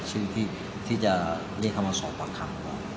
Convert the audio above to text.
ชื่อที่จะเรียกเขามาสองพักคัน